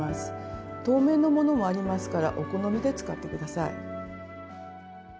透明の物もありますからお好みで使って下さい。